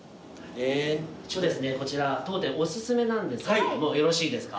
一応ですねこちら当店お薦めなんですけれどもよろしいですか？